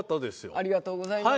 ありがとうございます。